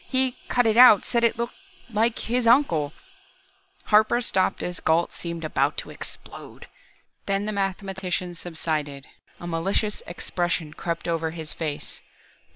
He cut it out, said it looked like like his uncle " Harper stopped as Gault seemed about to explode. Then the mathematician subsided, a malicious expression crept over his face.